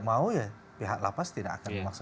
mau ya pihak lapas tidak akan memaksa